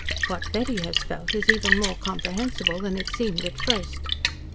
What Betty has felt is even more comprehensible than it seemed at first."